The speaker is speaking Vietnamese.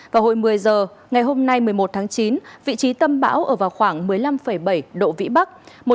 vào hồi một mươi giờ ngày hôm nay một mươi một tháng chín vị trí tâm bão ở vào khoảng một mươi năm bảy độ vĩ bắc